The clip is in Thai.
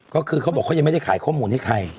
ก็คือเขาบอกเขายังไม่ได้ขายข้อมูลให้ใคร